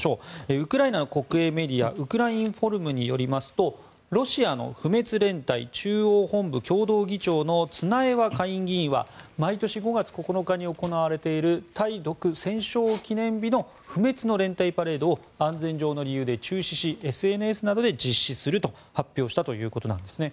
ウクライナの国営メディアウクラインフォルムによりますとロシアの不滅連隊中央本部共同議長のツナエワ下院議員は毎年５月９日に行われている対独戦勝記念日の不滅の連隊パレードを安全上の理由で中止しＳＮＳなどで実施すると発表したということなんですね。